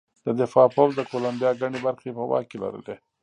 د دفاع پوځ د کولمبیا ګڼې برخې په واک کې لرلې.